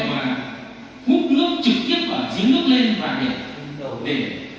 cút nước trực tiếp và dính nước lên và để